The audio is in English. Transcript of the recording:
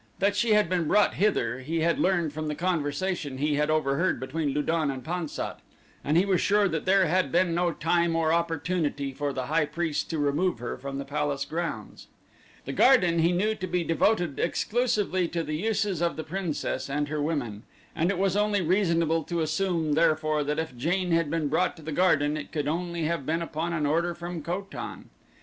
That she had been brought hither he had learned from the conversation he had overheard between Lu don and Pan sat, and he was sure that there had been no time or opportunity for the high priest to remove her from the palace grounds. The garden he knew to be devoted exclusively to the uses of the princess and her women and it was only reasonable to assume therefore that if Jane had been brought to the garden it could only have been upon an order from Ko tan.